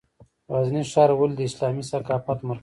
غزني ښار ولې د اسلامي ثقافت مرکز و؟